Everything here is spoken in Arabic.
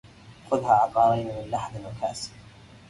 خذها عقارين من لحظ وكاس